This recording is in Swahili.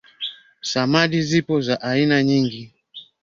samadi zipo za aina nyingi